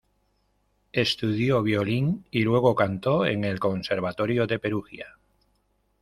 Estudió violín y luego canto en el conservatorio de Perugia.